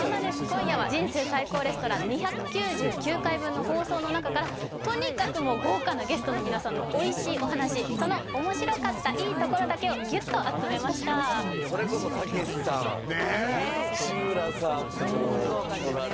今夜は「人生最高レストラン」２９９回分の放送の中からとにかくもう豪華なゲストの皆さんのおいしいお話その面白かったいいところだけをギュッと集めましたそれこそたけしさんねえうん豪華だよね